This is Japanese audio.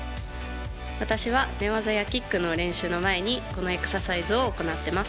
私は寝技やキックの練習の前にこのエクササイズを行ってます。